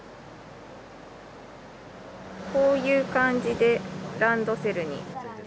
こういう感じでランドセルに。